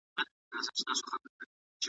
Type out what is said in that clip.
دلته به څه کړم غونچې د ګلو `